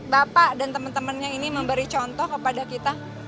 bapak dan teman temannya ini memberi contoh kepada kita